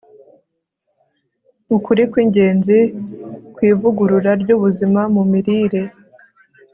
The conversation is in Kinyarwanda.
ukuri kwingenzi kwivugurura ryubuzima mu mirire